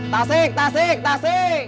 tasik tasik tasik